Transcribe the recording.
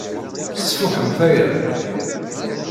Sfuḥemt aya.